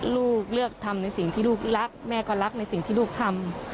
ลูกเลือกทำในสิ่งที่ลูกรักแม่ก็รักในสิ่งที่ลูกทำ